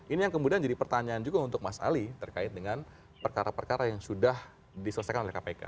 ini yang kemudian jadi pertanyaan juga untuk mas ali terkait dengan perkara perkara yang sudah diselesaikan oleh kpk